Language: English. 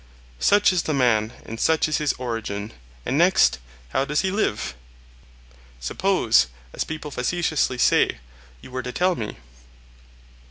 Such is the man and such is his origin. And next, how does he live? Suppose, as people facetiously say, you were to tell me.